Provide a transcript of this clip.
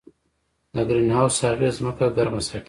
د ګرین هاوس اغېز ځمکه ګرمه ساتي.